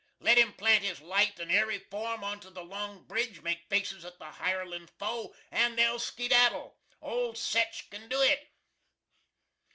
Let him plant his light and airy form onto the Long Bridge, make faces at the hirelin' foe, and they'll skedaddle! Old SETCH can do it."